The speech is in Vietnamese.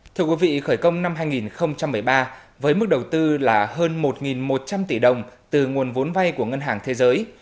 thưa quý vị khởi công năm hai nghìn một mươi ba với mức đầu tư là hơn một một trăm linh tỷ đồng từ nguồn vốn vay của ngân hàng thế giới